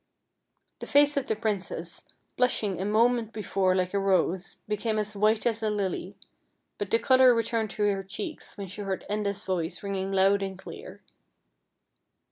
The face of the princess, blushing a moment before like a rose, became as white as a lily; but 44 FAIRY TALES the color returned to her cheeks when she heard Enda's voice ringing loud and clear.